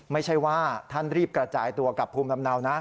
ไม่ใช่ว่าท่านรีบกระจายตัวกับภูมิลำเนานะ